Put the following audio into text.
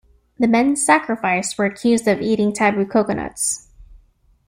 The men sacrificed were accused of eating tabu coconuts.